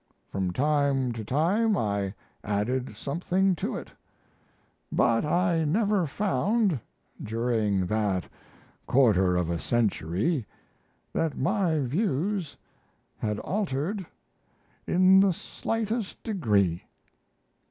From time to time I added something to it. But I never found, during that quarter of a century, that my views had altered in the slightest degree.